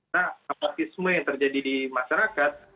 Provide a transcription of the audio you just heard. nah apatisme yang terjadi di masyarakat